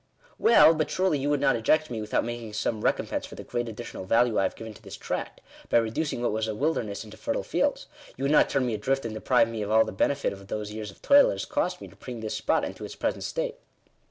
" Well, but surely you would not eject me without making some recompense for the great additional value I have given to this tract, by reducing what was a wilderness into fertile fields. You would not turn me adrift and deprive me of all the benefit of those years of toil it has cost me to bring this spot into its present state."